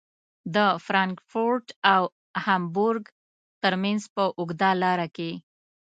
د فرانکفورت او هامبورګ ترمنځ په اوږده لاره کې.